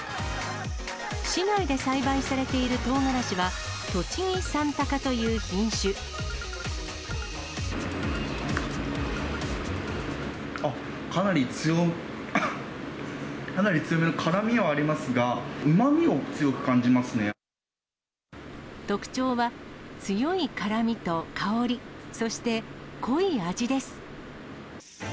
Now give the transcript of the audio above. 市内で栽培されているとうがらしは、あっ、かなりつよ、かなり強めの辛みはありますが、うまみを強く感じ特徴は、強い辛みと香り、そして濃い味です。